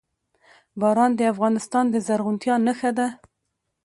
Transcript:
باران د افغانستان د زرغونتیا نښه ده.